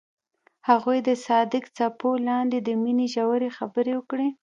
هغوی د صادق څپو لاندې د مینې ژورې خبرې وکړې.